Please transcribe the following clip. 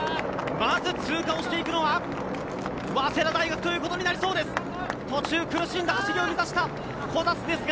まず通過していくのは早稲田大学となりそうです。